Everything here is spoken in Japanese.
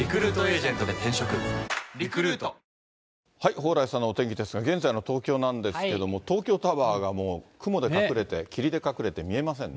蓬莱さんのお天気ですが、現在の東京なんですけれども、東京タワーが、もう雲で隠れて、霧で隠れて見えませんね。